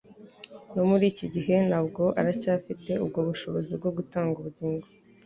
No muri iki gihe nabwo aracyafite ubwo bushobozi bwo gutanga ubugingo